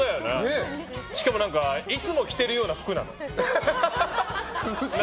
しかも、いつも着てるような服なの。